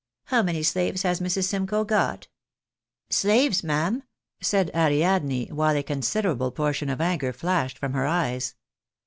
How many slaves has Mrs. Simcoe got ?"" Slaves, ma'am ?" said Ariadne, while a considerable portion of anger flashed from her eyes.